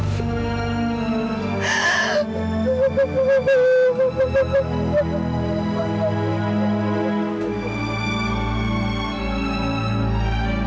saya mohon kamu pergi dari rumah saya dan jangan pernah ke sini lagi